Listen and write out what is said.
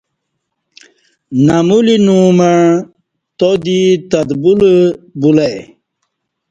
نمولینو مع تادی تدبُلہ بُلہ ای